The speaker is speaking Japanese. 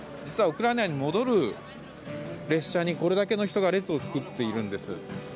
実はウクライナに戻る列車にこれだけの人が列を作っているんです。